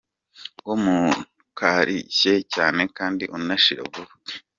Wo ntukarishye cyane kandi unashira vuba .